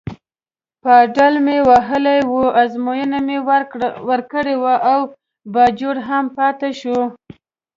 پایډل مې وهلی و، ازموینه مې ورکړې وه او باجوړ هم پاتې شو.